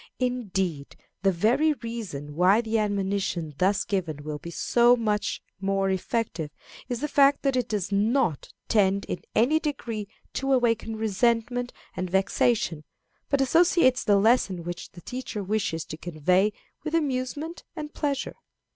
Indeed, the very reason why the admonition thus given will be so much more effective is the fact that it does not tend in any degree to awaken resentment and vexation, but associates the lesson which the teacher wishes to convey with amusement and pleasure.